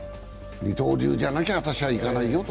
二刀流じゃなきゃ私は行かないよと。